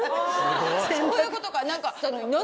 そういうことかなんか。